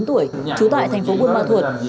trú tại thành phố buôn ma thuột